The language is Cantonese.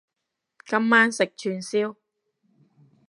今晚食串燒